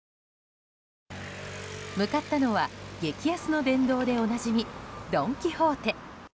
向かったのは激安の殿堂でおなじみドン・キホーテ。